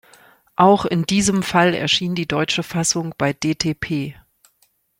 Auch in diesem Fall erschien die deutsche Fassung bei dtp.